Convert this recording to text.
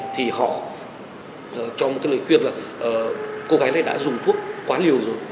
thì họ cho một cái lời khuyên là cô gái này đã dùng thuốc quá liều rồi